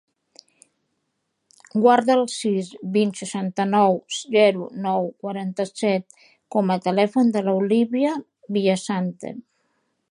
Guarda el sis, vint, seixanta-nou, zero, nou, quaranta-set com a telèfon de l'Olívia Villasante.